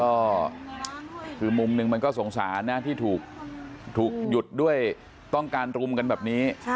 ก็คือมุมหนึ่งมันก็สงสารนะที่ถูกหยุดด้วยต้องการรุมกันแบบนี้